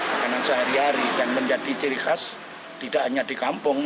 makanan sehari hari dan menjadi ciri khas tidak hanya di kampung